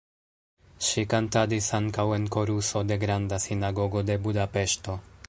Ŝi kantadis ankaŭ en koruso de Granda Sinagogo de Budapeŝto.